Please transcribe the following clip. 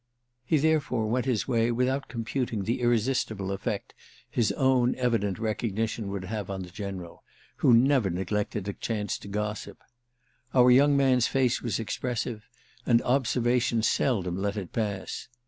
He therefore went his way without computing the irresistible effect his own evident recognition would have on the General, who never neglected a chance to gossip. Our young man's face was expressive, and observation seldom let it pass.